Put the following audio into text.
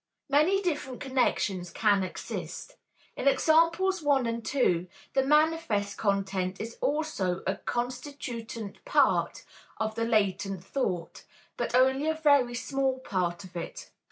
Many different connections can exist. In examples 1 and 2 the manifest content is also a constituent part of the latent thought, but only a very small part of it.